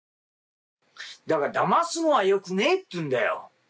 だますのはよくねえっていうんだよ。